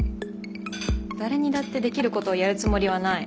誰にだってできることをやるつもりはない。